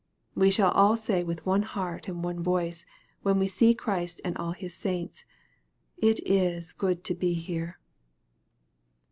We shall all say with one heart and one voice, when we see Christ and all His saints, " It is good to be here."